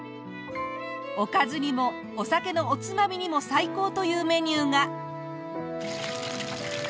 おかずにもお酒のおつまみにも最高というメニューが。